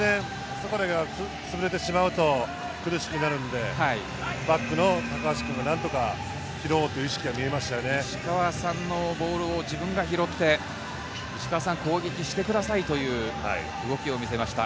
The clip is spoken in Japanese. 石川がつぶれてしまうとつらくなるのでバックの高橋君がなんとか拾おうという意識が見え石川さんのボールを自分が拾って攻撃してくださいという動きを見せました。